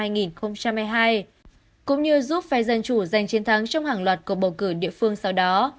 cũng như giúp phe dân chủ giành chiến thắng trong hàng loạt cuộc bầu cử địa phương sau đó